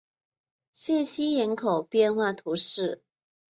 谢西人口变化图示